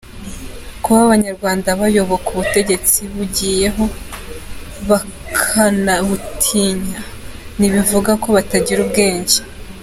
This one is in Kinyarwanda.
Kuba abanyarwanda bayoboka ubutegetsi bugiyeho bakanabutinya, nti bivuga ko batagira ubwenge.